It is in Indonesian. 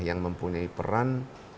yang mempunyai peran